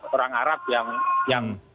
orang arab yang